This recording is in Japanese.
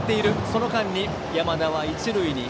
その間に山田は一塁へ。